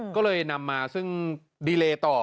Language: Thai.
ก็เลยนำมาซึ่งดีเลต่อ